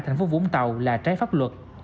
thành phố vũng tàu là trái pháp luật